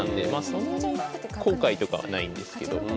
そんなに後悔とかはないんですけど。